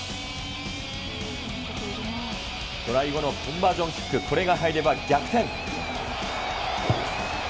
トライ後のコンバージョンキック、これが入れば逆転。